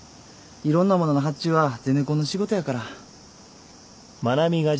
いろんなものの発注はゼネコンの仕事やから。